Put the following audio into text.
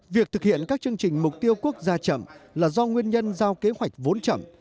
việc thực hiện các chương trình mục tiêu quốc gia chậm là do nguyên nhân giao kế hoạch vốn chậm